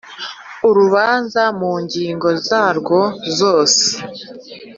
urubanza mu ngingo zarwo zose